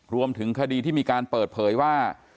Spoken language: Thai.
รวมถึงคดีที่มีการเปิดเผยว่า